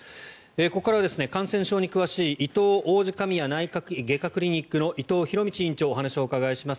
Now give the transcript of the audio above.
ここからは感染症に詳しいいとう王子神谷内科外科クリニックの伊藤博道院長にお話をお伺いします。